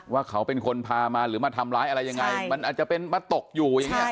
ว่าเขาเป็นคนพามาหรือมาทำร้ายอะไรยังไงมันอาจจะเป็นมาตกอยู่อย่างเงี้